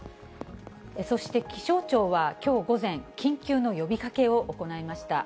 そして気象庁はきょう午前、緊急の呼びかけを行いました。